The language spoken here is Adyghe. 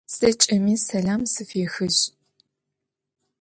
Zeç'emi selam sfyaxıj!